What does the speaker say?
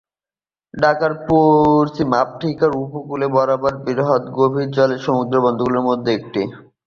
ডাকার পশ্চিম আফ্রিকার উপকূল বরাবর বৃহত্তম গভীর জলের সমুদ্রবন্দরগুলির মধ্যে একটি।